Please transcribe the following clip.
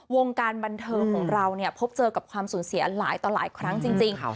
วงการบันเทิงของเราเนี่ยพบเจอกับความสูญเสียหลายต่อหลายครั้งจริง